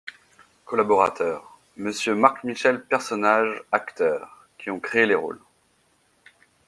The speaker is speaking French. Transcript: COLLABORATEUR : Monsieur MARC-MICHEL PERSONNAGES ACTEURS qui ont créé les rôles.